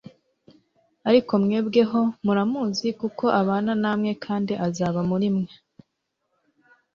«Ariko mwebwe ho muramuzi kuko abana namwe kandi azaba muri mwe.»